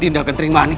tindakan terima nih